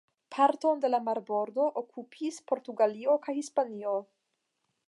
Parton de la marbordo okupis Portugalio kaj Hispanio.